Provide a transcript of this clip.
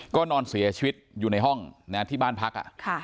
ก็นอนเสียชีวิตอยู่ในห้องที่บ้านพัก